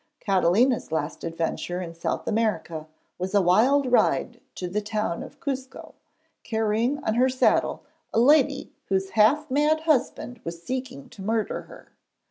Catalina's last adventure in South America was a wild ride to the town of Cuzco, carrying on her saddle a lady whose half mad husband was seeking to murder her.